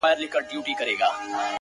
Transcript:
كړۍ .!كـړۍ لكه ځنځير ويـده دی.!